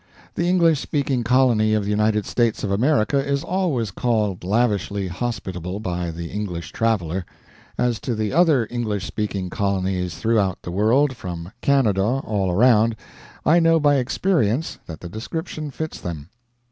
The English speaking colony of the United States of America is always called lavishly hospitable by the English traveler. As to the other English speaking colonies throughout the world from Canada all around, I know by experience that the description fits them.